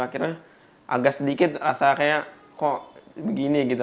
akhirnya agak sedikit rasa kayak kok begini gitu